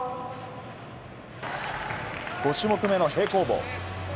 ５種目めの平行棒。